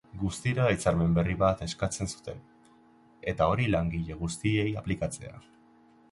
Guztira, hitzarmen berri bat eskatzen zuten, eta hori langile guztiei aplikatzea.